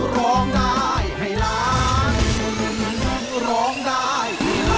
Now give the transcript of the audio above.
ร้องได้ให้ร้าน